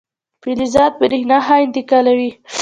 فلزات برېښنا ښه انتقالوي.